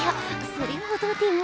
それほどでも。